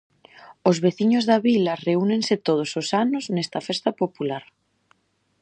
Os veciños da vila reúnense todos os anos nesta festa popular.